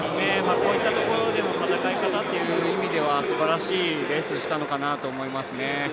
こういったところでの戦い方っていう意味ではすばらしいレースしたのかなと思いますね。